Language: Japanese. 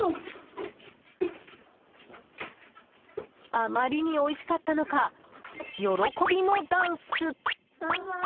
あまりにおいしかったのか喜びのダンス！